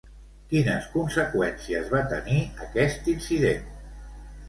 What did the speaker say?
Quines conseqüències va tenir aquest incident?